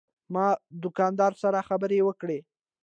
ما د دوکاندار سره خبرې وکړې.